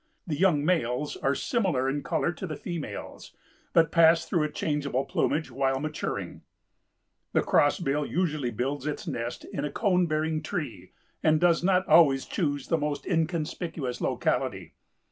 The young males are similar in color to the females, but pass through a changeable plumage while maturing. The Crossbill usually builds its nest in a cone bearing tree and does not always choose the most inconspicuous locality.